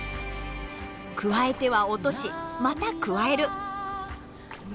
くわえては落としまたくわえる。